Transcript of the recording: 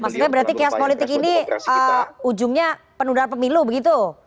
maksudnya berarti chaos politik ini ujungnya penundaan pemilu begitu